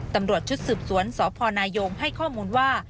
ตำรวจชุดสืบสวนสพนายงให้ข้อมูลว่า